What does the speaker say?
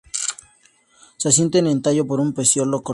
Se asientan en el tallo por un pecíolo corto.